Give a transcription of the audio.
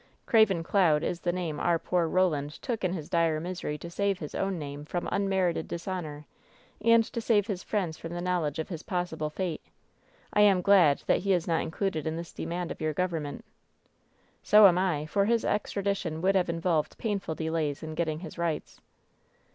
"Craven Cloud is the name our poor Eoland took* in his dire misery to save his own name from unmerited dishonor and to save his friends from the knowledge of f 6S WHEN SHADOWS DIE his possible fate. I am glad that he is not included in this demand of your government." "So am I, for his extradition would have involved painful delays in getting his rights."